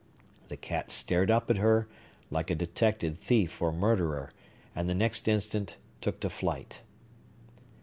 The cat stared up at her, like a detected thief or murderer, and, the next instant, took to flight.